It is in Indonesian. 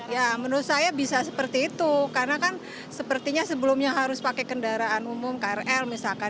ya menurut saya bisa seperti itu karena kan sepertinya sebelumnya harus pakai kendaraan umum krl misalkan